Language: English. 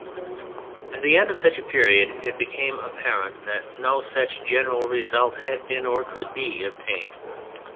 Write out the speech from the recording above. At the end of such a period it became apparent that no such general result had been, or could be, attained.